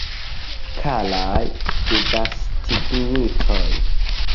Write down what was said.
Karaj gegastigintoj